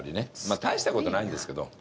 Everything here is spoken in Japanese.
まあ大した事ないんですけど。